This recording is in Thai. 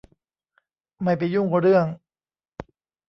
ไม่ไปยุ่งเรื่อง